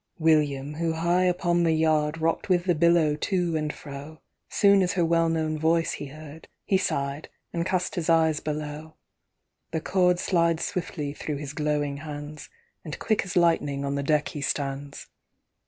'William, who high upon the yardRock'd with the billow to and fro, Soon as her well known voice he heardHe sigh'd, and cast his eyes below:The cord slides swiftly through his glowing hands, And quick as lightning on the deck he stands.